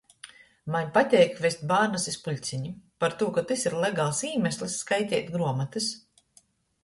Maņ pateik vest bārnus iz puļcenim, partū ka tys ir legals īmeslis skaiteit gruomotys.